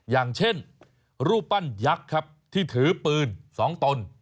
อย่างเช่นรูปปั้นยักษ์ครับที่ถือปืน๒ตน